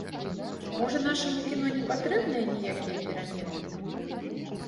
Можа, нашаму кіно не патрэбныя ніякія перамены?